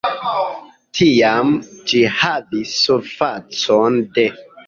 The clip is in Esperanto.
Tiam ĝi havis surfacon de.